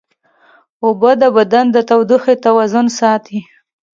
اوبه د بدن د تودوخې توازن ساتي